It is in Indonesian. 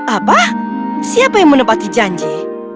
apa siapa yang menempati janji